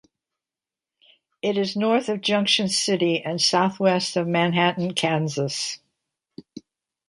It is north of Junction City and southwest of Manhattan, Kansas.